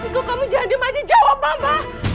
iko kamu jangan dimasih jawab mama